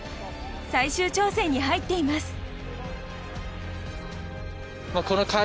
最終調整に入っています。